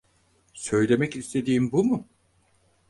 Söylemek istediğin bu mu?